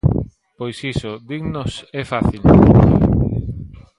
Pois iso, dinnos, é fácil.